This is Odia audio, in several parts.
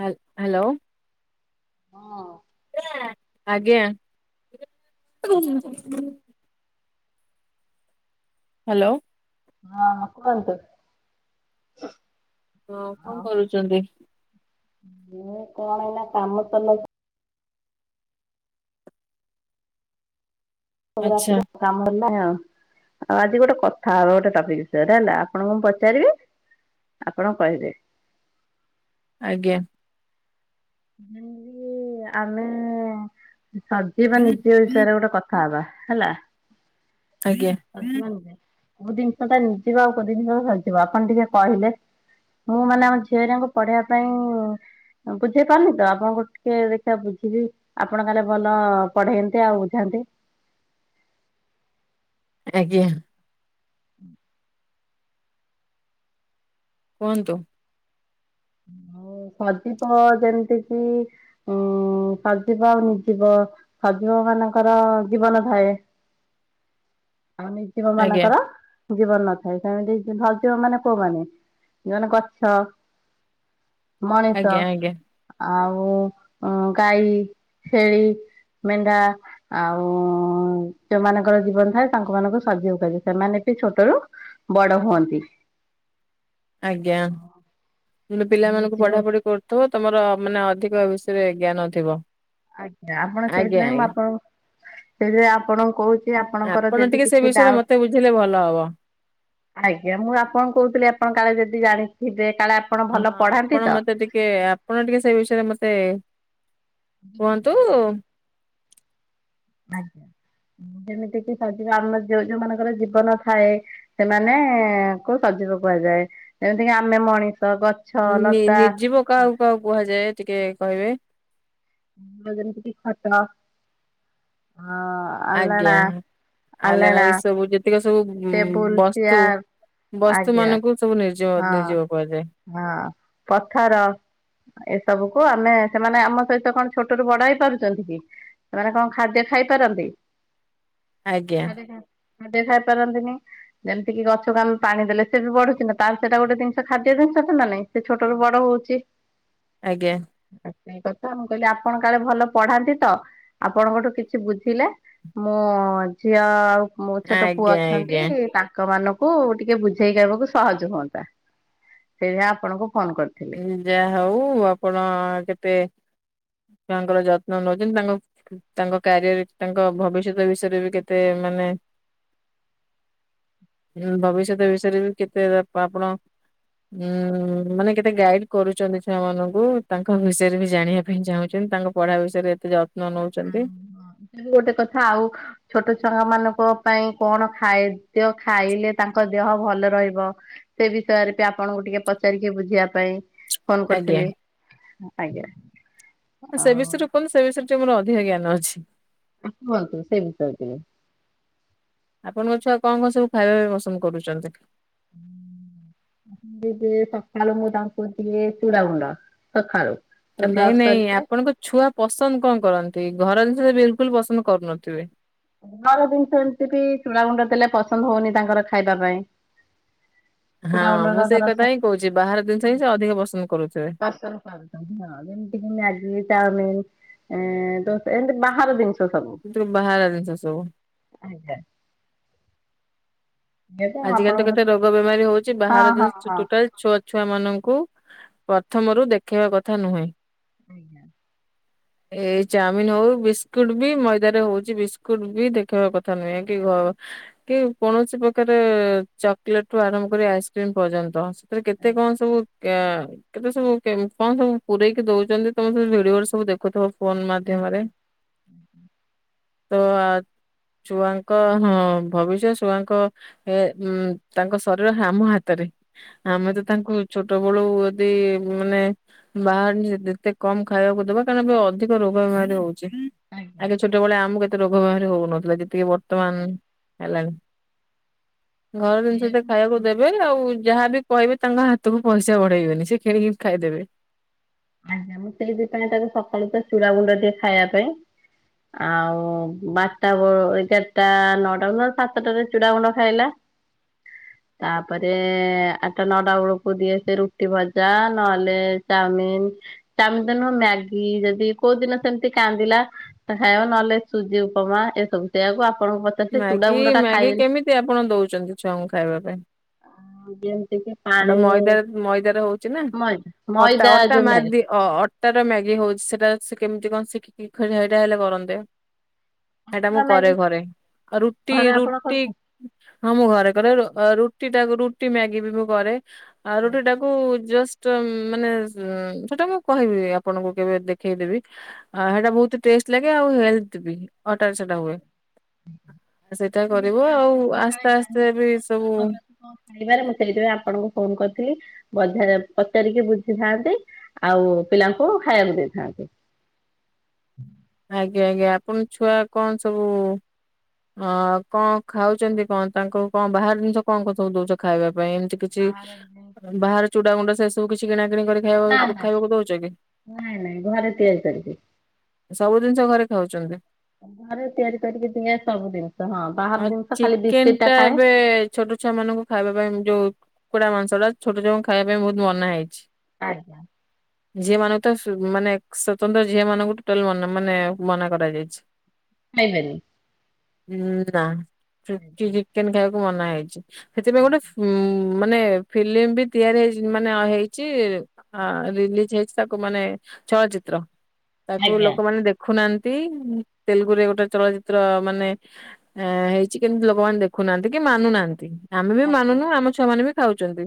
ହ୍ୟାଲୋ। ହଁ। ଆଜ୍ଞା। ହ୍ୟାଲୋ [inaudible] ହଁ କୁହନ୍ତୁ? ହଁ ଆଉ କଣ କରୁଛନ୍ତି? କଣ ଏଇନା କାମ କଲେ ମ ଆଚ୍ଛା ରାରେ କାମ ଭଲା [unintelligible] ଆଉ ଆଜି ଗୋଟେ କଥା ହେବ ଗୋଟେ ଟପିକ୍ ସେଇଟା ନା ଆପଣଙ୍କୁ ମୁଁ ପଚାରିବି। ଆପଣ କହିବେ। ଆଜ୍ଞା। ଆମେ ସଜ ବା ନିଜ ବିଷୟରେ ଗୋଟେ କଥା [unintelligible] କର ହେଲା। ଆଜ୍ଞା। ସଜିବ କଉ ଜିନିଷ ଟା ନେଇଯିବ ଆଉ କୋଉି ଜିନିଷ ସଯିବ ଆପଣ ଟିକେ କହିଲେ [unintelligible] ମୁଁ ମାନେ ଆମ ଝିଅ ହରିଙ୍କୁ ପଢ଼େଇବା ପାଇଁ ବୁଝେଇ ପାରୁନି ତ ଆପଣଙ୍କୁ ଟିକେ ଦେଖିବା ବୁଝିବି। ଆପଣ କାଲେ ଭଲ ପଢେଇନ୍ତି ଆଉ ବୁଝାନ୍ତି? ଆଜ୍ଞା। ହୁଁ କୁହନ୍ତୁ। [unintelligible] ଯେମିତି କିି ଉଁ ସଜୀବ ଆଉ ନିଯିବ। ସଜୀବ ମାନଙ୍କର ଜୀବନ ଥାଏ। ଯିବ ଆଜ୍ଞା ମାନଙ୍କର? ଜୀବନ ନଥାଏ ସେମିତି ସଜୀବ ମାନେ କୋଉମାନେ ଯେଉଁମାନେ ଗଛ ମଣିଷ ଆଜ୍ଞା ଆଜ୍ଞା ଆଉ ଗାଈ ଛେଳି। ମେଣ୍ଢା। ଆଉ ଯୋଉମାନଙ୍କର ଜୀବନ ଥାଏ ତାଙ୍କ ମାନଙ୍କୁ ସଜୀବ କୁହାଯାଏ ସେମାନେ ବି ଛୋଟୋରୁୁ ବଡ ହୁଅନ୍ତି। ଆଜ୍ଞା ମୁଁ କହିଲି ପିଲାମାନଙ୍କୁ ନିର୍ଜୀବ ପଢା ପଢି କରୁ ତ ତମର ମାନେ ଅଧିକ ବିଷୟରେ ଜ୍ଞାନ ଥିବ। ଆଜ୍ଞା ଆପଣ ଆଜ୍ଞା ସେଇଥିପାଇଁ ମୁଁ ଆଜ୍ଞା ଆପଣଙ୍କ ସେଇଥିପାଇଁ ଆପଣଙ୍କୁ କୋହୂଚି। ସେ ଆପଣଙ୍କର ଆପଣ ଯେଦି ଟିକେ ସେ କିଛି ବିଷୟରେ ଡାଉଟ ମତେ ବୁଝେଇଲେ ଭଲ ହବ। ଆଜ୍ଞା ମୁଁ ଆପଣ କହୁଥିଲି ଆପଣ କାଳେ ଯଦି ଜାଣିଥିବେ କାଳେ ଆପଣ ହଁ ଭଲ ପଢାନ୍ତି ତ ଆପଣ ମତେ ଟିକେ ଆପଣ ଟିକେ ସେଇ ବିଷୟରେ ମତେ କୁହନ୍ତୁ। ଆଜ୍ଞା ଯେମିତି କି ସଯିବ ଆମ ଯୋଉ ଯୋଉ ମାନଙ୍କର ଜୀବନ ଥାଏ। ସେମାନେ କୁ ସଜୀବ କୁହାଯାଏ ଯେମିତିକି ଆମେ ମଣିଷ ଗଛ ନି ଲତା ନିର୍ଜୀବ କାହାକୁ କାହାକୁ କୁହାଯାଏ ଟିକେ କହିବେ? ଅ ଯେମିତିକି ଖଟ ଅ ଆଲଣା ଆଜ୍ଞା। ଆଲଣା ଆଲାଣାଏଇ ସବୁ ଯେତିକ ସବୁ ଟେବୁଲ ବସ୍ତୁ ଚେୟାର ବସ୍ତୁ ଆଜ୍ଞା ମାନଙ୍କୁ ସବୁ ନିର୍ଜୀବ ହଁ ନିର୍ଜୀବ କୁହାଯାଏ। ହଁ ପଥର। ଏସବୁ କୁ ଆମେ ସେମାନେ ଆମ ସହିତ କଣ ଛୋଟ ରୁ ବଡ ହେଇ ପାରୁଚନ୍ତି କି? ସେମାନେ କଣ ଖାଦ୍ୟ ଖାଇପାରନ୍ତି? ଆଜ୍ଞା ଖାଦ ଖାଇ ପାରନ୍ତିନି ଯେମିତି କିି ଗଛ କୁ ଆମ ପାଣି ଦେଲେ ସେ ବି ବଢୁଚି ନା। ତାର ସେଇଟା ଗୋଟେ ଜିନିଷ କି ଜିନିଷ ତ ନା ନାଇଁ ସେ ଛୋଟୁ ବଡ ହୋଉଚି। ଆଜ୍ଞା। ସେଇ କଥା ମୁଁ କଇଲି ଆପଣ କାଳେ ଭଲ ପଢାନ୍ତି ତ ଆପଣଙ୍କଠୁ କିଛି ବୁଝିଲେ ମୋ ଝିଅ ଆଉ ମୋ ଛୋଟ ପୁଅ ଆଜ୍ଞା ଆଜ୍ଞା। ଅଛନ୍ତି ତାଙ୍କ ମାନଙ୍କୁ ଟିକେ ବୁଝେଇ କହିବାକୁ ସହଜ। [unintelligible] ହୁଅନ୍ତା ସେଇଥିପାଇଁ ଆପଣଙ୍କୁ ଫୋନ କରି ସେ ଯାହା ହୋଉ ଆପଣ କେତେ ଛୁଆଙ୍କର ଯତ୍ନ ନଉଚନ୍ତି ତାଙ୍କ ତାଙ୍କ କାରିଅର ତାଙ୍କ ଭବିଷ୍ୟତ ବିଷୟରେ ବି କେତେ ମାନେ ଭବିଷ୍ୟତ ବିଷୟରେ ବି କେତେ ଆପଣ ଉଁ ମାନେ କେତେ ଏତେ ଗାଇଡ କରୁଚନ୍ତି ଛୁଆମାନଙ୍କୁ ତାଙ୍କ ବିଷୟରେ ବି ଜାଣିବା ପାଇଁ ଚାହୁଁଚନ୍ତି ତାଙ୍କ ପଢା ବିଷୟରେ ଏତେ ଯ ନ ନୋଉଚନ୍ତି। ସେ ବି ଗୋଟେ କଥା ଆଉ ଛୋଟ ଛୁଆ ମାନଙ୍କ ପାଇଁ କଣ ଖାଦ୍ୟ ଖାଇଲେ ତାଙ୍କ ଦେହ ଭଲ ରହିବ। ସେ ବିଷୟରେ ବି ଆପଣଙ୍କୁ ଟିକେ ପଚାରିକି ବୁଝିବା ପାଇଁ। ଫୋନ ଆଜ୍ଞା କରିଥିଲି ଆଜ୍ଞା ସେ ଆଉ ବିଷୟରେ କୁହନ୍ତୁ ସେଇ ବିଷୟରେ? ମୋର ଅଧିକା ଜ୍ଞାନ ଅଛି। କୁହନ୍ତୁ ସେଇ ବିଷୟରେ ଟିକେ? ଆପଣଙ୍କ ଛୁଆ କଣ କଣ ସବୁ ଖାଇବା ପାଇଁ ପସନ୍ଦ କରୁଚ ନ୍ତି? ହୁଁ। ଦିଏ ସକାଳୁ ମୁଁ ତାଙ୍କୁ ଦିଏ ଚୁଡାଗୁଣ୍ଡ ସଖାଳୁ। ନାଇଁ ନାଇଁ ଆପଣଙ୍କ ଛୁଆ ପସନ୍ଦ କଣ କରନ୍ତି ଘର ଜିନିଷ ବିଲକୁଲ ପସନ୍ଦ କରୁନଥିବେ? ଘର ଜିନିଷ ଏମିତି ବି ଚୂଡା ଗୁଣ୍ଡ ଦେଲେ ପସନ୍ଦ ହଉନି ତାଙ୍କର ଖାଇବା ପାଇଁ। ହଁ ଚୁଡାଗୁଣ୍ଡ ମୁଁ ସେ ତାଙ୍କର କଥା ହିଁ କହୁଛି ବାହାର ଜିନିଷ ହିଁ ସେ ଅଧିକ ପସନ୍ଦ କରୁଥିବେ। ପସନ୍ଦ କର ହଁ ଯେମତି କିି ମ୍ୟାଗି ଚାଓମିିନ ଦୋସା ଏମତି ବାହାର ଜିନିଷ ସବୁ। ସେଥିରୁ ବାହାର ଜିନିଷ ସବୁ। ଆଜ୍ଞା। ଯେହେତୁ ଆଜିିକାଲି ତ ଆପଣଙ୍କ କେତେ ରୋଗ ବେମାରୀ ହୋଉଛି ହଁ ବାହାର ହଁ ଜିନଶ ହଁ ଟୋଟାଲ୍ ଛୁଆ ଛୁଆ ମାନଙ୍କୁ ପର୍ଥମ ରୁ ଦେଖେଇବା କଥା ନୁହେଁ। ଆଜ୍ଞା। ଏଇ ଚାଓମିନ ହଉ ବିସ୍କୁଟ ବି ମଇଦା ରେ ହଉଛି ବିସ୍କୁଟ ବି ଦେଖେଇବା କଥା ନୁହେଁ କି ଘ କି କୌଣସି ପ ଚକୋଲେଟ ରୁ ଆରମ୍ଭ କରି ଆଇସ୍କ୍ରିମ ପର୍ଯ୍ୟନ୍ତ ସେଥିରେ କେତେ କଣ ସବୁ କେତେ ସବୁ କେ କଣ ସବୁ ପୁରେଇକି ଦୋଉଛନ୍ତି ତମେ ସବୁ ଭିଡିଓରେ ଦେଖୁଥିବ। ଫୋନ୍ ଆଜ୍ଞା ମାଧ୍ୟମରେ। ତ ଛୁଆଙ୍କ ହଁ ଭବିଷ୍ୟତ ଛୁଆଙ୍କ ହେ ଉ ତାଙ୍କ ଶରୀର ହାମ ହାତରେ। ଆମେ ତ ତାଙ୍କୁ ଛୋଟ ବେଳୁ ଯଦି ମାନେ ବାହାର ଜିନିଷ ଯେତେ କମ ଖାଇବାକୁ ଦବା କାରଣ ଏବେ ଅଧିକ ରୋଗ ବେମାରୀ ହୋ ଉଚି ଆଜ୍ଞା। ଆଗେ ଛୋଟବେଳେ ଆମକୁ ଏତେ ରୋଗ ବେମାରୀ ହୋଉନଥିଲା ଯେତିକି ଆଜ୍ଞା ବର୍ତ୍ତମାନ ହେଲାଣି। ଘର ଜିନିଷ ହେତେ ଖାଇବାକୁ ଯେହେତୁ ଦେବେନି ଆଉ। ଯାହାବି କହିବେ ତାଙ୍କ ହାତକୁ ପଇସା ବଢେଇବେନି ସେ କି ଣିକି ଖାଇଦେବେ। ଆଜ୍ଞା ମୁଁ ସେଇଥିପାଇଁ ତାକୁ ସକାଳୁ ତ ଚୂୁଡା ଗୁଣ୍ଡ ଦିଏ ଖାଇବା ପାଇଁ। ଆଉ ବାରଟା ବ ଏଗାରଟା ନଅଟା ସୁଦ୍ଧା ସାତଟାରେ ଚୁଡା ଗୁଣ୍ଡ ଖାଇଲା। [inaudible] ତାପରେ ଆଟା ନଟା ବେଳକୁ ଦିଏ ସେ ରୁଟି ଭଜା ନହେଲେ ଚାଓମିିନ୍। ତାଓମିନ୍ ତ ନୁହଁ ମ୍ୟାଗି ଯଦି କୋଉ ଦିନ ସେମିତି କାନ୍ଦିଲା। ଖାଇବା ନହେଲେ ସୁଜି ଉପମା ଏସବୁ ସେଆକୁ ଆପଣଙ୍କୁ ପ ମ୍ୟାଗି ମ୍ୟାଗି କେମିତି ଆପଣ ଦୋଉଛନ୍ତି ଛୁଆଙ୍କୁ ଖାଇବା ପାଇଁ। ଆ ଯେମିତିକି ସେଟା ମଇଦା ମଇଦାରେ ହଉଛି ନା ମଇଦା ଅଟା ମଇଦା ଅଟା ଯୋଉ ମ୍ୟାଗି ମାରିଦି ଅ ଅଟାର ମ୍ୟାଗି ହଉଛି ସେଟା ସେ କେମିତି କଣ ଶଖିକି ସେଟା ଫେଣି ହେଲେ କେମିତି କରନ୍ତେ। ସେଇଟା ମୁଁ ମସଲା ଘରେ। ମ୍ୟାଗି ରୁଟି ଘରେ ଆପଣ ରୁଟି କରୁଛନ୍ତି? ହଁ ମୁଁ ଘରେ କରେ ରୁଟି ଟାକୁ ରୁଟି ମ୍ୟାଗି ବି ମୁଁ କରେ। ଆଉ ରୁଟିଟାକୁ ଜଷ୍ଟ ମାନେ ସେଟା ମୁଁ କହିବି ଆପଣଙ୍କୁ କେବେ ଦେଖ ଦେଖେଇଦେବି ହେଟା ବୋହୁତ ଟେଷ୍ଟ ଲାଗେ ଆଉ ହେଲଥ ବି ଅଟା ରେ ସେଟା ହୁଏ। ସେଇଟା କରିବ ଆଉ, ଆସ୍ତେ ଆସ୍ତେ ବି ସବୁ କଣ ଖାଇବାରେ ମୁଁ ସେଇଥିପାଇଁ ଆପଣଙ୍କୁ ଫୋନ କରିଥିଲି ବଧେ ପଚାରିକି ବୁଝିଥାନ୍ତି, ଆଉ ପିଲାଙ୍କୁ ଖାଇବାକୁ ଦେଇଥାନ୍ତି। ଆଜ୍ଞା ଆଜ୍ଞା, ଆପଣଙ୍କ ଛୁଆ କଣ ସବୁ ଆ କଣ ଖାଉଛନ୍ତି କଣ? ତାଙ୍କୁ କଣ ବାହାର ଜିନିଷ କଣ କଣ ସବୁ ଦଉଛ ଖାଇବା ପାଇଁ? ଏମିତି କିଛି ବାହାର ଚୁଡା ଗୁଣ୍ଡ ସେ ସବୁ କିଛି କିଣା କିିଣି କରି ନା ଖାଇବା ନା ଖାଇବାକୁ ଦଉଛ କି? ନାଇଁ ନାଇଁ ଘରେ ତିଆରି କରିକି। ସବୁ ଜିନିଷ ଘରେ ଖାଉଛନ୍ତି। ଘରେ ତିଆରି କରିକି ଦିଏ ସବୁ ଜିନିଷ, ହଁ। ବାହାର ଆଉ ଜିନିଷ ଖାଲି ଚିକେନ ବିସ୍କିଟ ଟା ଖାଏ। ଏବେ ଛୋଟ ଛୁଆ ମାନଙ୍କୁ ଖାଇବା ପାଇଁ ଯୋଉ କୁକୁଡା ମାଂସଟା ଛୋଟ ଛୁଆଙ୍କୁ ଖାଇବା ପାଇଁ ବହୁତ ମନା ହେଇଛି। ଆଜ୍ଞା ଝିଅ ମାନଙ୍କୁ ତ ମାନେ ସ୍ଵତନ୍ତ୍ର ଝିଅ ମାନଙ୍କୁ ଟୋଟାଲ ମାନେ ମନା କରାଯାଇଛି। [unintelligible] ଉଁ, ନା ରୁଟି ଚିକେନ ଖାଇବାକୁ ମନା ହେଇଛି। ସେଥିପାଇଁ ଗୋଟେ ମାନେ ଫିଲ୍ମ ବି ତିଆରି ହେଇଛି ମାନେ ହେଇଛି ହଁ ରିଲିଜ୍ ହେଇଛି ତାକୁ ମାନେ ଚଳଚିତ୍ର। ତାକୁ ଆଜ୍ଞା ଲୋକମାନୋନ ଦେଖୁନାହାନ୍ତି ତେଲୁଗୁରେ ଗୋଟେ ଚଳଚିତ୍ର ମାନେ ଏ ହେଇଛି କିନ୍ତୁ ଲୋକମାନେ ଦେଖୁନାହାନ୍ତି କି ମାନୁନାହାନ୍ତି ଆମେ ବି ଆଜ୍ଞା। ମାନୁନୁ ଆମ ଛୁଆ ମାନେ ବି ଖାଉଛନ୍ତି।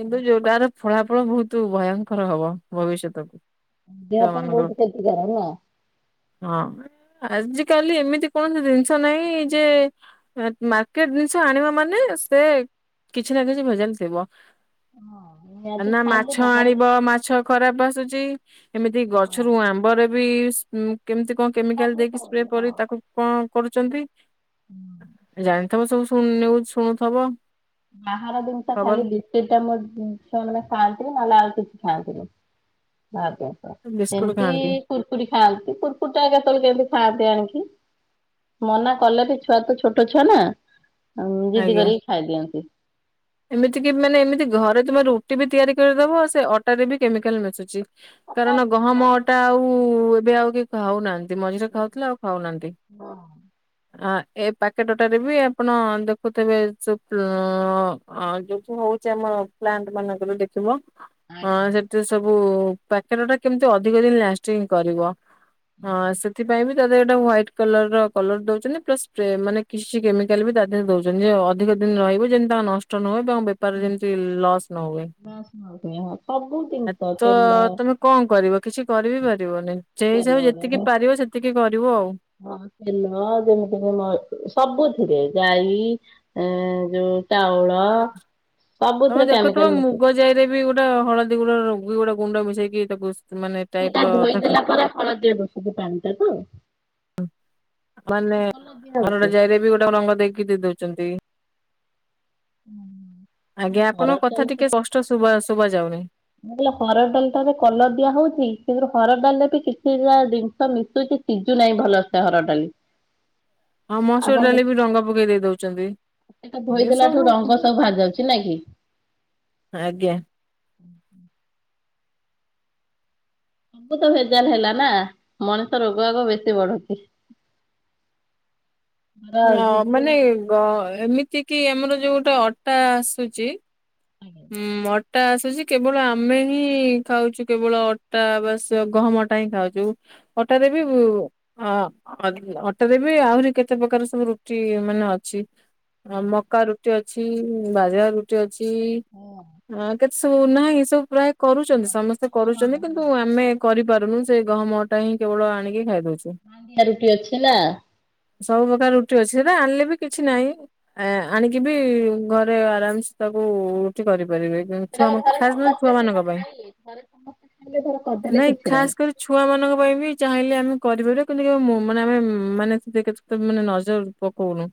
କିନ୍ତୁ ଯୋଉଟାର ଫଳାଫଳ ବହୁତ ଭୟଙ୍କର ହବ ଭବିଷ୍ୟତକୁ। ଦେହ ଛୁଆ ପାଇଁ ମାନଙ୍କର ବହୁତ କ୍ଷତି କାରକ ହେଲା। ହଁ, ଆଜି କାଲି ଏମିତି କୌଣସି ଜିନିଷ ନାହିଁ ଯେ ମାର୍କେଟ ଜିନିଷ ଆଣିବ ମାନେ ସେ କିଛି ନା କିଛି ଭେଜାଲ ଥିବ। ହଁ ନିହାତି କାହିଁକିନା ଖାଇଲେ ମାଛ ବାହାର ଆଣିବ ମାଛ ଖରାପ ଆସୁଛି। ଏମିତି ଗଛରୁ ଆମ୍ବରେ ବି କେମିତି କଣ ହଁ କେମିକାଲ ସବୁ ଦେଇକି ସ୍ପ୍ରେ ସବୁ ହଁ। କରି ତାକୁ। କଣ କରୁଛନ୍ତି? ହୁଁ। ଜାଣିଥିବ ସବୁ ସୁ ନିୟୁଜ ଶୁଣୁଥିବ। ବାହାର ଜିନିଷ ଖବର ଖାଲି ଦ ସେଇଟା ମୋ ଛୁଆମାନେ ଖାଆନ୍ତିି ନହେଲେ ଆଉ କିଛି ଖାଆନ୍ତିନି [unintelligible] ବିସ୍କୁଟ ସେମିତି ଖାଆନ୍ତି। କୁୁରକୁରି ଖାଆନ୍ତି କୁୁରକୁରିଟା କେତେବେଳେ କେମତି ଖାଆନ୍ତି ଆଣିକି। ମନା କଲେ ବି ଛୁଆ ତ ଛୋଟ ଛୁଆ ନା ଜିଦି ଆଜ୍ଞା। କରିକି ଖାଇଦିଅନ୍ତି। [inaudible] ଏମିତି କି ମାନେ ଏମିତି ଘରେ ତମେ ରୁଟି ବି ତିଆରି କରିଦବ ସେ ଅଟାରେ ବି କେମିକାଲ ମିଶୁଛି। କାରଣ ସବୁ ଗହମ ଅଟା ଆଉ ଏବେ ଆଉ କି ଖାଉନାହାନ୍ତି ମଝିରେ ଖାଉଥିଲେ ଆଉ ଖାଉନାହାନ୍ତି। ହଁ ଏ ପାକେଟଟାରେ ବି ଆପଣ ଦେଖ ହଉ ତେବେ [unintelligible] ଯୋଉ ହଉଛି ଆମ ପ୍ଲାଟମାନଙ୍କର ଦେଖିବ। ହଁ ସେଠି ସବୁ ପ୍ୟାକେଟଟା କେମିତି ଅଧିକ ଦିନ ଲାଷ୍ଟିଂ କରିବ। ହଁ ସେଥିପାଇଁ ବି। ତା ଦେହରେ ଗୋଟେ ହ୍ୱାଇଟ୍ଲ କଲରର କଲର ଦଉଛନ୍ତି, ପ୍ଲସ୍ ସ୍ପ୍ରେ ମାନେ କିଛି କେମିକାଲ ବି ତା ଦେହରେ ଦଉଛନ୍ତି। ଯେମିତି ଅଧିକ ଦିନ ରହିବ ଯେମିତି ତାଙ୍କ ନଷ୍ଟ ନ ହୁଏ ଏବଂ ବେପାରରେ ଯେମିତି ଲସ୍ ନ ହୁଏ। ହଁ ସବୁ ଜିନିଷ ତ ତେଲ ତମେ କଣ କରିବ କିଛି କରିବିପାରିବନି ସେଇ ହିସାବରେ ତେଲରେ ଯେତିକି ପାରିବ ସେ ଟିକେ କରିବୁ ଆଉ। ହଁ ତେଲ ଯେମିତିକି ମ ସବୁଥିରେ ଯାଈ ଏଁ ଯୋଉ ଟାଉଳ ହ ତମେ ଦେଖୁଥିବ ମିଶୁଛି। ମୁଗ ଯାଇରେ ବି ଗୋଟେ ହଳଦ୍ [unintelligible] ରୋଗୀ ଗୋଟେ ଗୁଣ୍ଡ ମିସେଇକି ତାକୁ ମାନେ ଟାଇପ ସେଟା ର ତାକୁ ଧୋଇଦେଲା ପରେ ହଳଦିଆ ଦୁଶୁଚି ପାଣିଟା ତ। ମାନେ ହରଡ ହଉଛି। ଜାଇରେ ବି ଗୋଟେ ରଙ୍ଗ ଦେଇକି ଦେଇ ଦଉଚନ୍ତି। [unintelligible] ଆଜ୍ଞା ହରଡ଼ ଆପଣଙ୍କ କଥା ଡାଲିଟା ଟିକେ [unintelligible] ଶୁବା ଶୁବା ଯାଉନି। ମୁଁ କହିଲି ହରଡ ଡାଲିଟାରେ କଲର ଦିଆ ହଉଚି କି [unintelligible] ହରଡ଼ ଡାଲିରେ ବି କିଛି [unintelligible] ଜିନ୍ଷ ମିଶୁଚି ସିଜୁ ନାହିଁ ଭଲସେ ହରଡ ଡାଲି। ହଁ ମସୁର ଆପଣ ଡାଲି ବି ଡଙ୍ଗା ପକେଇ ଦେଇ ଦଉଚନ୍ତି। ସେଟା ଧୋଇ ଦେଲାଠୁ ରଙ୍ଗ ସବୁ ବାହାରି ଯାଉଚି ନାଇଁ କି? ଆଜ୍ଞା! ହୁଁ ହୁଁ। ସବୁ ତ ଭେଜାଲ ହେଲା ନା ମଣିଷ ରୋଗ ବାଗ ବେଶୀ ବଢୁଚି। ଧର ହଁ ଯିବୁ ମାନେ ଏ ବ ଏମିତି କି ଆମର ଯୋଉଟା ଅଟା ଆସୁଚି। ହୁଁ ଅଟା ଆସୁଚି କେବଳ ଆମେ ହିଁ ଖାଉଚୁ କେବଳ ଅଟା ବାସ୍ ଗହମ ଅଟ୍। କାଇଁ ଖାଉଚୁ ଅଟାରେ ବି ଉ ହଁ ଅ ଅଟାରେ ବି ଆହୁରି କେତେ ପ୍ରକାର ସବୁ ରୁଟି ମାନେ ଅଛି। ଅ ମକା ରୁଟି ଅଛି ବାଜେରା ରୁଟି ଅଛି। ହଁ! ହଁ କେତେ ସବୁ ନାହିଁ ସବୁ ପ୍ରାୟ କରୁଚନ୍ତି ସମସ୍ତେ କରୁଚନ୍ତି କିନ୍ତୁ ଆମେ କରିପାରୁନୁ ସେ ଗହମ ଅଟା ହିଁ କେବଳ ଆଣିକି ଖାଇ ଦଉଚୁ। [unintelligible] ରୁଟି ଅଛି [unintelligible] ସବୁ ପ୍ରକାର ରୁଟି ଅଛି ସେ ଆଣିଲେ ବି କିଛି ନାଇଁ। ଆ ଆଣିକି ବି ଘରେ ଆରାମସେ ତାକୁ ରୁଟି କରିପାରିବେ। ଉମ୍ ସେଟା ଛୁଆ ମ ଘରେ ଖାସ୍ ନହଲେ ସମସ୍ତେ ସିନା ଛୁଆମାନଙ୍କ ପାଇଁ ଖାଇଲେ ଘରେ ସମସ୍ତେ ଖାଇଲେ ଧର କରିଦେଲେ ନାଇଁ କିଛି ଖାସ୍ ନାହିଁ। କରି ଛୁଆମାନଙ୍କ ପାଇଁ ବି ଚାହିଁଲେ ଆମେ କରିପାରିବା କିନ୍ତୁ କେବେ ମୋ ମାନେ ଆମେ ମାନେ [unintelligible] ତ ମାନେ ନଜର ପକଉନୁ।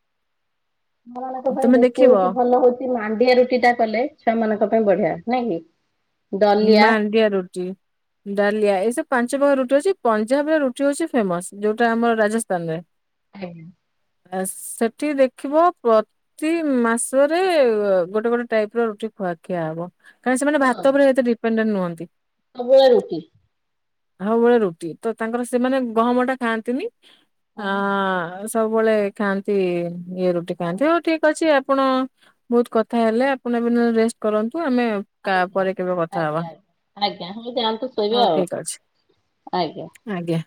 [unintelligible] ପାଇଁ ତମେ ବେଶୀ ଦେଖିବ ହଉଚି ଭଲ ହଉ ମାଣ୍ଡିଆ ରୁଟିଟା କଲେ ଛୁଆମାନଙ୍କ ପାଇଁ ବଢିଆ ନାଇଁ କି? ଦଲିଆ ମାଣ୍ଡିଆ ରୁଟି। ଡାଲିଆ ଏସବୁ ପାଞ୍ଚ ପ୍ରକାର ରୁଟି ଅଛି। ପଞ୍ଜାବରେ ରୁଟି ହଉଛି‌ ଫେମସ୍ ଯୋଉଟା ଆମର ରାଜସ୍ଥାନରେ। ହୁଁ! ଆ ସେଠି ଦେଖିବ ପର୍ ତି ମାସରେ ଗୋଟେ ଗୋଟେ ଟାଇପର ରୁଟି ଖୁଆ ଖିଆ ହବ। କାରଣ ସେମାନେ ଭାତ ଉପରେ ଏତେ ଡିପେଣ୍ଡେଣ୍ଟ ନୁହନ୍ତି। ସବୁଳେ ରୁଟି। ଆଉ ବଳେ ରୁଟି ତ ତାଙ୍କର ସେମାନେ ଗହମଟା ଖାଆନ୍ତିନି। ହଁ ସବୁବେଳେ ଖାଆନ୍ତି ଇଏ ରୁଟି ଖାଆନ୍ତି ହଉ ଠିକ୍ ଅଛି ଆପଣ ବହୁତ୍ କଥା ହେଲେ ଆପଣ ଏ ରେଷ୍ଟ କରନ୍ତୁ ଆମେ କା ଆଜ୍ଞା ପରେ କେବେ କଥ୍ ଆଜ୍ଞା ହଉ ଆାଆନ୍ତୁ ଶୋଇବେ ହଉ ଆଉ ଠିକ ଅଛି ଆଜ୍ଞା। ଆଜ୍ଞା